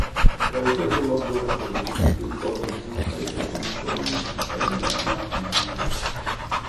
Tra i suoi collaboratori si ricordano S. Fantoni e L. Martinelli.